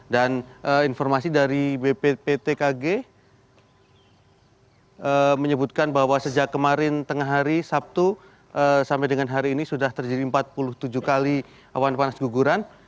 dan informasi dari bbb tkg menyebutkan bahwa sejak kemarin tengah hari sabtu sampai dengan hari ini sudah terjadi empat puluh tujuh kali awan panas guguran